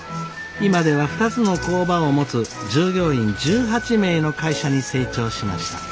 今では２つの工場を持つ従業員１８名の会社に成長しました。